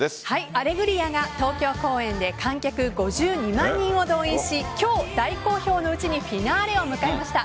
「アレグリア」が東京公演で観客５２万人を動員し今日、大好評のうちにフィナーレを迎えました。